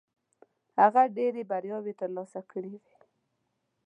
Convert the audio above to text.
هغه ډېرې بریاوې ترلاسه کړې وې.